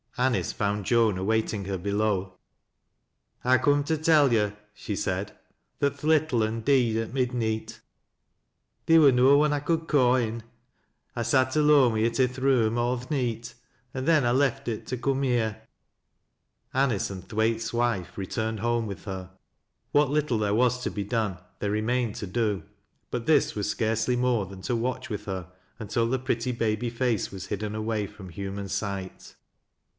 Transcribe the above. Anice found Joan awaiting her below. " I ha' come to tell yo'," she said, " that th' little ul deed at midneet. Theer wur no one I could ca' in. I sat «lone wi' it i' th' room aw th' neet, an' then I left it t ^ come here." Anice and Thwaite's wife returned home with her. What little there was to be done, they remained to do. But this was scarcely more than to watch with her until the pretty baby face was hidden away from human sight.